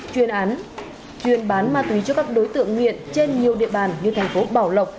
chuyên án chuyên bán ma túy cho các đối tượng nguyện trên nhiều địa bàn như thành phố bảo lộc